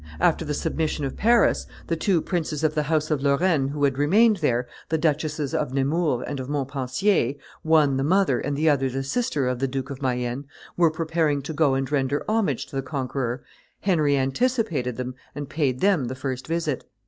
After the submission of Paris, the two princesses of the house of Lorraine who had remained there, the Duchesses of Nemours and of Montpensier, one the mother and the other the sister of the Duke of Mayenne, were preparing to go and render homage to the conqueror; Henry anticipated them, and paid them the first visit.